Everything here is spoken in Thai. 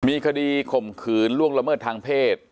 มีคดีข่มขืนล่วงละเมิดทางเพศ